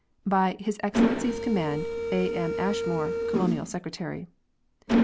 " By His Excellency's Command, "A. M. ASHMORE, " Colonial Secretary.